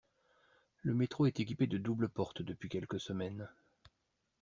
Le métro est équipé de doubles portes depuis quelques semaines.